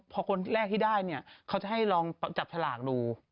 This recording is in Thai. พอคนแรกที่ได้เนี่ยเขาจะให้ลองจับฉลากดู